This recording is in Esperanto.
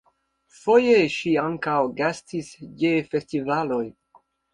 Foje ŝi ankaŭ gastis je festivaloj.